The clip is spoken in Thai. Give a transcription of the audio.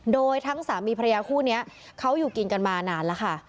โดยทั้งสามีภรรยาคู่นี้เขาอยู่กินกันมานานแล้วค่ะ